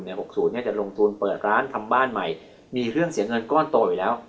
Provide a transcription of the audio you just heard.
หกศูนย์จะลงทุนเปิดร้านทำบ้านใหม่มีเรื่องเสียเงินก้อนโตอยู่แล้ว